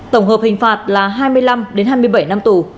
tổng hợp hình phạt là hai mươi năm đến hai mươi bảy năm tù